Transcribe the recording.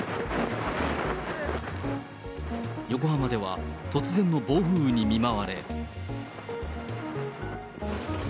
横浜では、突然の暴風雨に見舞われ。